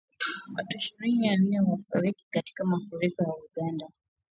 Watu ishirini na nne wafariki katika mafuriko Uganda